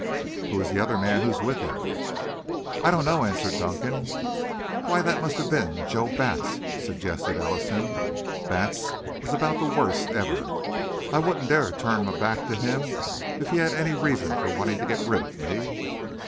"Who is the other man who is with him?" "I don't know," answered Dunkan. "Why, that must have been Joe Batts," suggested Ellison. "Batts is about the worst ever. I wouldn't dare turn my back to him if he had any reason for wanting to get rid of me."